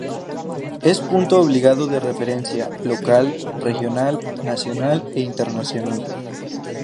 Es punto obligado de referencia, local, regional, nacional e internacional.